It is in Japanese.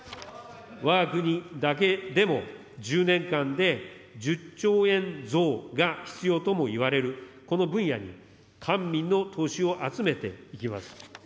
わが国だけでも１０年間で１０兆円増が必要とも言われるこの分野に、官民の投資を集めていきます。